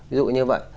ví dụ như vậy